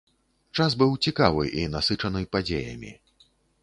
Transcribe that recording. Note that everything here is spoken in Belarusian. Час быў цікавы і насычаны падзеямі.